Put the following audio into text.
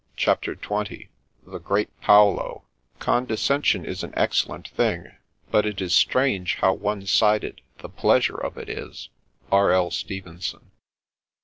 CHAPTER XX Vbe Otcat paolo '< Condescension is an excellent thing ; but it is strange how one sided the pleasure of it is."— R. L. Stkvbnson.